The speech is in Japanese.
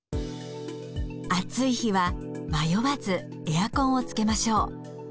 暑い日は迷わずエアコンをつけましょう。